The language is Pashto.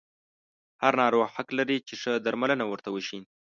هر ناروغ حق لري چې ښه درملنه ورته وشي.